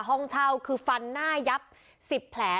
ห้องเช่าคือฟันหน้ายับ๑๐แผล